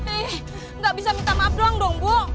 ih enggak bisa minta maaf doang dong bu